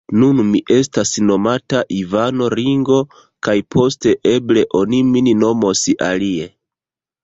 Nun mi estas nomata Ivano Ringo kaj poste, eble, oni min nomos alie.